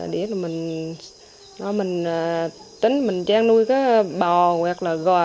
để mình tính mình trang nuôi cái bò hoặc là gò